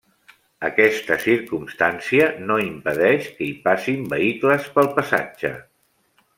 Aquesta circumstància no impedeix que hi passin vehicles pel passatge.